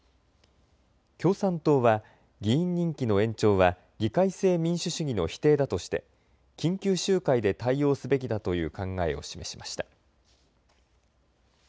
共産党は議員任期の延長は議会制民主主義の否定だとして緊急集会で対応すべきだという考えを示しました。